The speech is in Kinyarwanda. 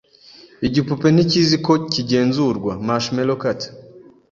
Igipupe ntikizi ko kigenzurwa. (marshmallowcat)